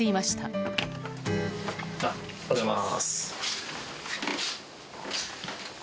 おはようございます。